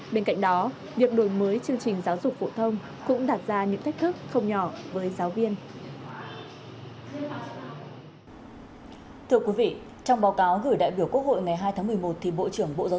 bên cạnh đó việc đổi mới chương trình giáo dục phổ thông